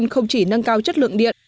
không chỉ nâng cao chất lượng điện